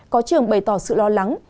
có trường bày tỏ sự lo lắng